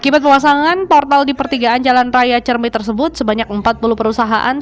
akibat pemasangan portal di pertigaan jalan raya cermi tersebut sebanyak empat puluh perusahaan